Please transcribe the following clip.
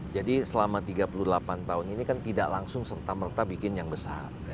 jadi selama tiga puluh delapan tahun ini kan tidak langsung serta merta bikin yang besar